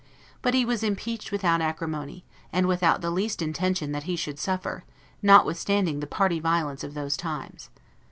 But he was impeached without acrimony, and without the lest intention that he should suffer, notwithstanding the party violence of those times.